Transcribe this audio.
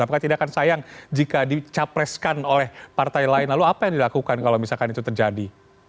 apakah tidak akan sayang jika dicapreskan oleh partai lain lalu apa yang dilakukan kalau misalkan itu terjadi